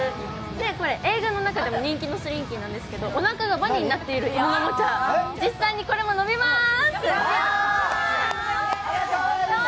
これ、映画の中でも人気のスリンキーなんですけど、おなかがばねになっているので実際にこれも伸びまーす。